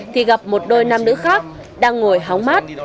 thì gặp một đôi nam nữ khác đang ngồi hóng mát